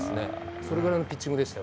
それくらいのピッチングでした。